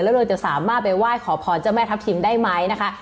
แล้วเราจะสามารถไปไหว้ขอพรเจ้าแม่ทัพทิมได้ไหมนะคะ